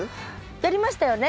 やりましたよね